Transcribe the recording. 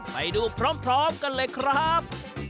ไปดูพร้อมกันเลยครับ